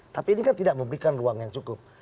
tapi ini kan tidak memberikan ruang yang cukup